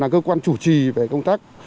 cơ quan chủ trì về công tác